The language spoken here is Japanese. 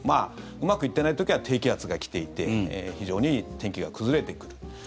うまくいっていない時は低気圧が来ていて非常に天気が崩れてくる。